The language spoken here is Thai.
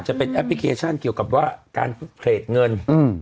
จะเป็นแอปพลิเคชันเกี่ยวกับว่าการเผยเงินอืม